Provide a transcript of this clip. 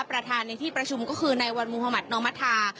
ประธานในที่ประชุมก็คือในวันมุธมัธนอมธา